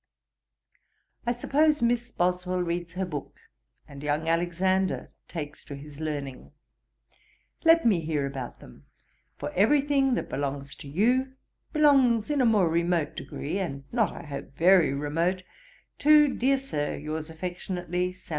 'I suppose Miss Boswell reads her book, and young Alexander takes to his learning. Let me hear about them; for every thing that belongs to you, belongs in a more remote degree, and not, I hope, very remote, to, dear Sir, 'Yours affectionately, 'SAM.